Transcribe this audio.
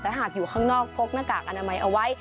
แต่หากอยู่ข้างนอกพกหน้ากากอนามัยเอาไว้